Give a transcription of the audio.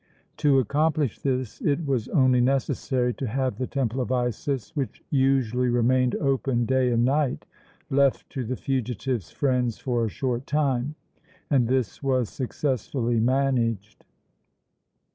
To accomplish this it was only necessary to have the Temple of Isis, which usually remained open day and night, left to the fugitive's friends for a short time; and this was successfully managed.